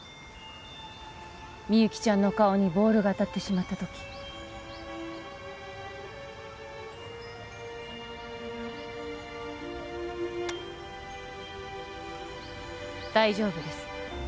みゆきちゃんの顔にボールが当たってしまった時大丈夫です